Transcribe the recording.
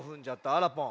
あらぽん。